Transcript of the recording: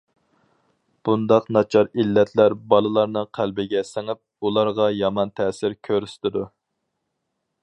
بۇنداق ناچار ئىللەتلەر بالىلارنىڭ قەلبىگە سىڭىپ، ئۇلارغا يامان تەسىر كۆرسىتىدۇ.